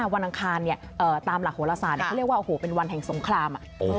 วันอังคารเนี่ยตามหลักโฮลาซานก็เรียกว่าเป็นวันแห่งสงคราม